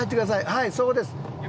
はいそうです。